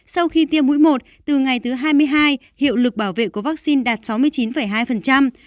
sau khi tiêm mũi một từ ngày thứ hai mươi hai hiệu lực bảo vệ của vaccine đạt sáu mươi chín hai